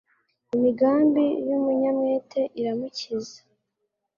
imigambi y'umunyamwete iramukiza